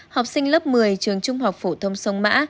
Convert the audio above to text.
học sinh lớp một mươi trường trung học phổ thông sông mã